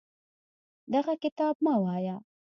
دغه کتاب مه وایه.